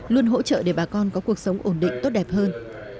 luôn hỗ trợ để bà con có cuộc sống ổn định tốt đẹp hơn